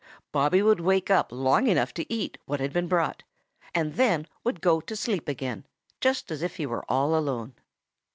Bobby would wake up long enough to eat what had been brought and then would go to sleep again, quite as if he were all alone.